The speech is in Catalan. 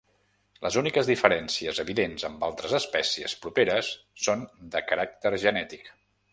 Les úniques diferències evidents amb altres espècies properes són de caràcter genètic.